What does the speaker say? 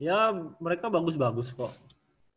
ya mereka bagus bagus kok